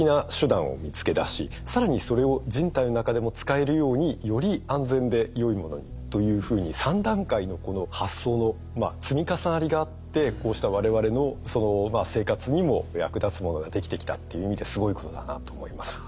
更にそれを人体の中でも使えるようにより安全でよいものにというふうに３段階の発想の積み重なりがあってこうした我々の生活にも役立つものができてきたっていう意味ですごいことだなと思います。